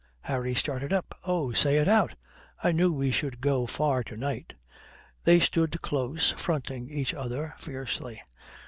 Harry started up. "Oh, say it out. I knew we should go far to night." They stood close, fronting each other fiercely.